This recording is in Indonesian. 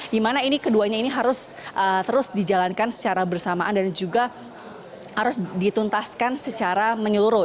dimana ini keduanya ini harus terus dijalankan secara bersamaan dan juga harus dituntaskan secara menyeluruh